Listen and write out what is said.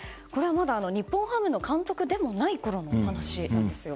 これは日本ハムの監督でもないころの話なんですよ。